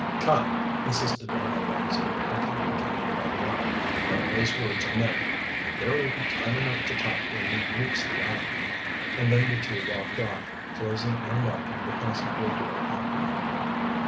"Come," insisted Arnold Baxter, and caught the captain by the arm. "Don't waste words on them. There will be time enough to talk when we reach the island." And then the two walked off, closing and locking the passageway door after them.